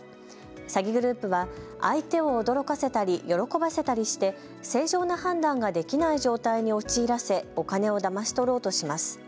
詐欺グループは相手を驚かせたり喜ばせたりして正常な判断ができない状態に陥らせお金をだまし取ろうとします。